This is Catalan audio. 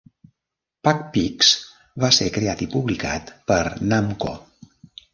"Pac-Pix" va ser creat i publicat per Namco.